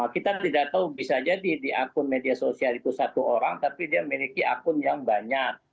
kita tidak tahu bisa jadi di akun media sosial itu satu orang tapi dia memiliki akun yang banyak